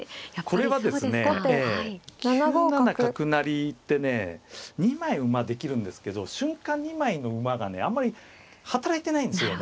これはですね９七角成ってね２枚馬できるんですけど瞬間２枚の馬がねあんまり働いてないんですよね。